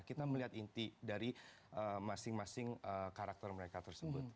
kita melihat inti dari masing masing karakter mereka tersebut